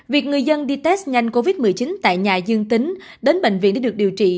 việc người dân đi test nhanh covid một mươi chín tại nhà dương tính đến bệnh viện để được điều trị